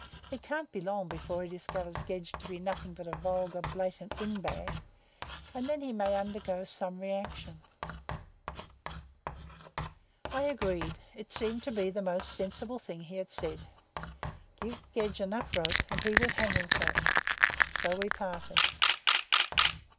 It can't be long before he discovers Gedge to be nothing but a vulgar, blatant wind bag; and then he may undergo some reaction." I agreed. It seemed to be the most sensible thing he had said. Give Gedge enough rope and he would hang himself. So we parted.